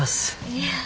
いや。